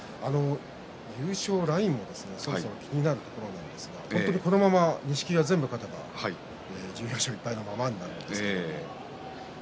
優勝ラインですがそろそろ気になるところですがこのまま錦木が全部勝てば１４勝１敗となります。